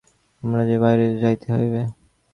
আমার যে বাহিরে যাইতে হইবে।